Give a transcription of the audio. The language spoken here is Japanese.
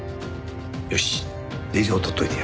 よし令状を取っておいてやる。